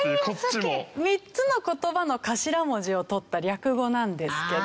３つの言葉の頭文字をとった略語なんですけど。